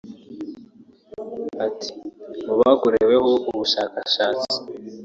Ati” Mu bakoreweho ubushakashatsi